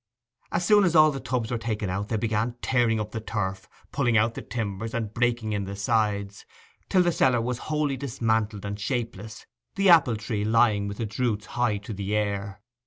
As soon as all the tubs were taken out, they began tearing up the turf; pulling out the timbers, and breaking in the sides, till the cellar was wholly dismantled and shapeless, the apple tree lying with its roots high to the air.